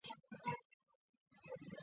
中国股市特有名称。